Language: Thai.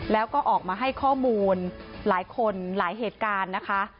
แล้วก็ออกมาให้ข้อมูลหลายคนหลายเหตุการณ์นะคะ